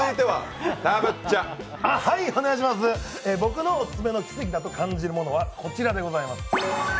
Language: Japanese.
僕のオススメの奇跡だと感じるものはこちらでございます。